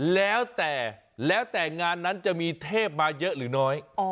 แล้วแต่แล้วแต่งานนั้นจะมีเทพมาเยอะหรือน้อย